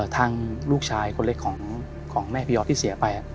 ทางลูกชายคนเล็กของแม่พยอดที่เสียไป